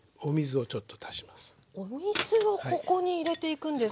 お水をここに入れていくんですか。